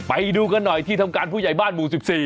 ไปดูกันหน่อยที่ทำการผู้ใหญ่บ้านหมู่๑๔